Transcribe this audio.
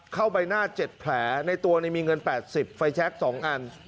เข้าใบหน้าเจ็ดแผลในตัวนี้มีเงิน๘๐ฟัยแช๊ก๒อัน